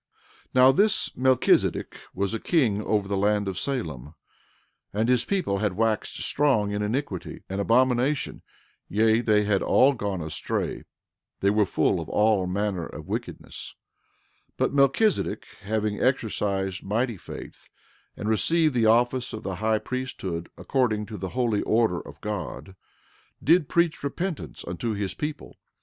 13:17 Now this Melchizedek was a king over the land of Salem; and his people had waxed strong in iniquity and abomination; yea, they had all gone astray; they were full of all manner of wickedness; 13:18 But Melchizedek having exercised mighty faith, and received the office of the high priesthood according to the holy order of God, did preach repentance unto his people.